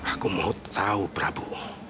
aku mau tahu prabu